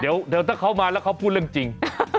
เดี๋ยวถ้าเขามาแล้วเขาพูดเรื่องจริง